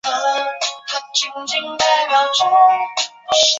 它们也要与野生的蜜蜂及入侵的深红玫瑰鹦鹉争夺地方来筑巢。